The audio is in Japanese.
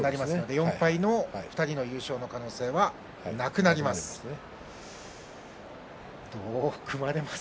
４敗の２人の優勝の可能性はなくなります。